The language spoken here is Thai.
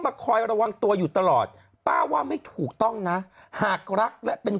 คอยระวังตัวอยู่ตลอดป้าว่าไม่ถูกต้องนะหากรักและเป็น